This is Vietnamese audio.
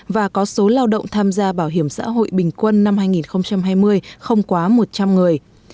và có số lao động tham gia bảo hiểm xã hội bình quân năm hai nghìn hai mươi không quá một trăm linh người